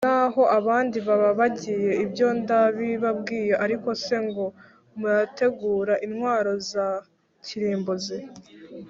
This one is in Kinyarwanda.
n’aho abandi baba bagiye, ibyo ndabibabwiye ariko se ngo murategura intwaro za kirimbuzi,